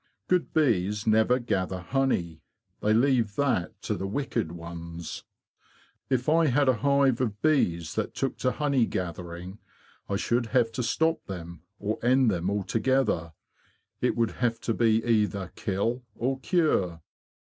Good bees never gather honey: they leave that to the wicked ones. If I had a hive of bees that took to pone Hine, I should have to 12 THE HONEY THIEVES 127 stop them, or end them altogether. It would have to be either kill or cure."